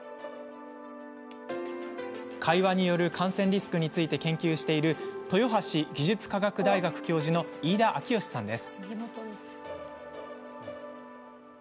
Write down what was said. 会話による感染リスクについて研究しているのが豊橋技術科学大学教授の飯田明由教授です。